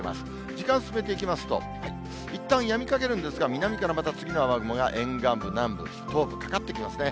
時間進めていきますと、いったんやみかけるんですが、南からまた次の雨雲が沿岸部、南部、東部、かかってきますね。